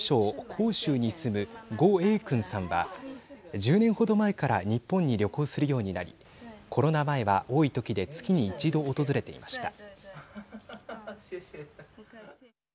広州に住む伍穎君さんは１０年ほど前から日本に旅行するようになりコロナ前は多いときで月に一度、訪れていました。